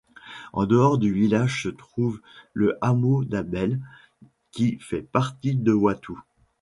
En dehors du village se trouve le hameau d'Abele qui fait partie de Watou.